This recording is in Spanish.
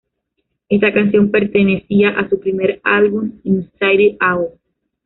Esta canción pertenecía a su primer álbum "Inside Out".